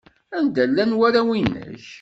Anda llan warraw-nnek?